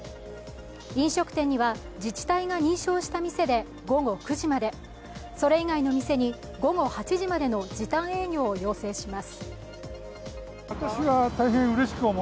飲食店には自治体が認証した店で午後９時までそれ以外の店に、午後８時までの時短営業を要請します。